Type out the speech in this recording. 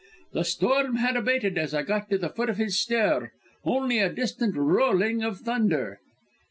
The storm had abated as I got to the foot of his stair only a distant rolling of thunder.